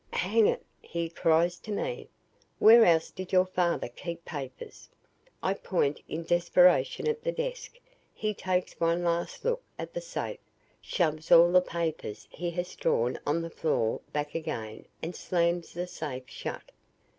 "'Hang it!' he cries to me. 'Where else did your father keep papers?' I point in desperation at the desk. He takes one last look at the safe, shoves all the papers he has strewn on the floor back again and slams the safe shut.